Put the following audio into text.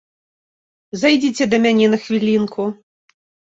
Зайдзіце да мяне на хвілінку.